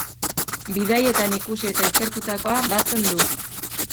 Bidaietan ikusi eta ikertutakoa batzen du.